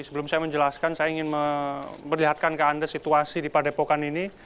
sebelum saya menjelaskan saya ingin memperlihatkan ke anda situasi di padepokan ini